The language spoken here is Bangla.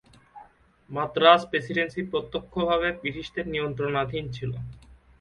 মাদ্রাজ প্রেসিডেন্সি প্রত্যক্ষভাবে ব্রিটিশদের নিয়ন্ত্রণাধীন ছিল।